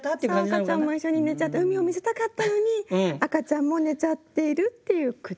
そう赤ちゃんも一緒に寝ちゃって海を見せたかったのに赤ちゃんも寝ちゃっているっていう句です。